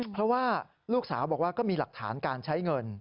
เพราะว่าลูกสาวบอกว่าก็มีหลักฐานการใช้เงิน